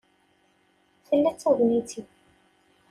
Tella d tagnit-iw..